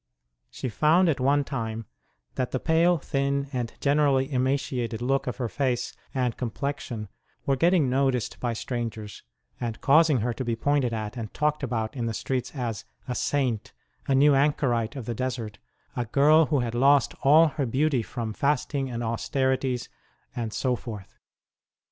She found at one time that the pale, thin, and generally emaciated look of her face and complexion were getting noticed by strangers, and causing her to be pointed at and talked about in the streets as a Saint, a new anchorite of the desert, a girl who had lost all her beauty from fasting and austerities, and so forth.